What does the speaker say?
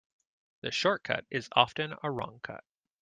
A short cut is often a wrong cut.